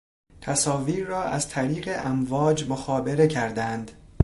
تصاویر را از طریق امواج مخابره کردند